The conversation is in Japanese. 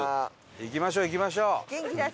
行きましょう行きましょう！